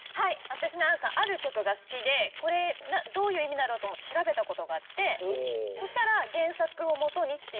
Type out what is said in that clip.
私ある曲が好きでこれどういう意味だろう？と思って調べた事があってそしたら。